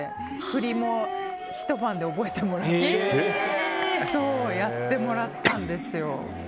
振りもひと晩で覚えてもらってやってもらったんですよ。